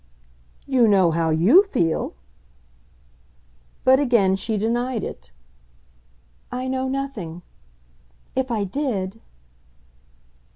"You know how YOU feel." But again she denied it. "I know nothing. If I did